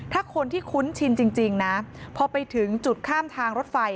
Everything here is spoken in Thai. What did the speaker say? ถ้าคนที่คุ้นชินจริงนะพอไปถึงจุดข้ามทางรถไฟ